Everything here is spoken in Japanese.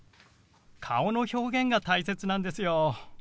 顔の表現が大切なんですよ。